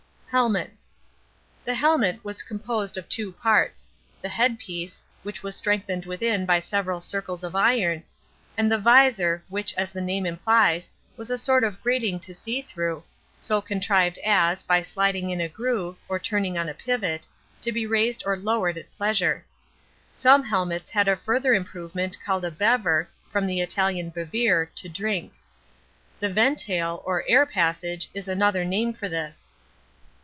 HELMETS The helmet was composed of two parts: the HEADPIECE, which was strengthened within by several circles of iron, and the VISOR, which, as the name implies, was a sort of grating to see through, so contrived as, by sliding in a groove, or turning on a pivot, to be raised or lowered at pleasure. Some helmets had a further improvement called a BEVER, from the Italian bevere, to drink. The VENTAYLE, or "air passage," is another name for this.